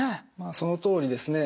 そのとおりですね。